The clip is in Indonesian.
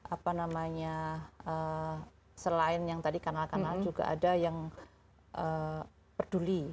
apa namanya selain yang tadi kanal kanal juga ada yang peduli